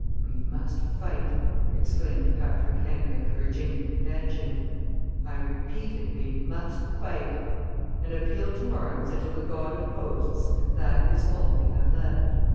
"We must fight," exclaimed Patrick Henry at the Virginia Convention, "I repeat it, we must fight; an appeal to arms and to the God of Hosts, that is all we have left."